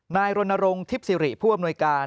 นายนนโรงทิพธ์ศิริผู้อำนวยการ